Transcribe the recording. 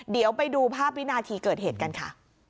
เดี๋ยวไปดูภาพวินาทีเกิดเหตุกันค่ะ